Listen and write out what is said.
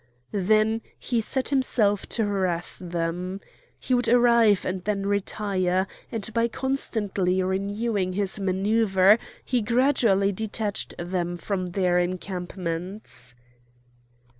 Then he set himself to harass them. He would arrive and then retire, and by constantly renewing this manouvre, he gradually detached them from their encampments.